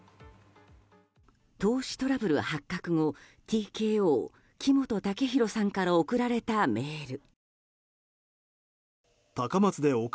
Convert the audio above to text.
投資トラブル発覚後ＴＫＯ木本武宏さんから送られたメール。